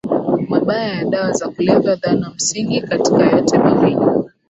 mabaya ya dawa za kulevya Dhana ya msingi katika yote mawili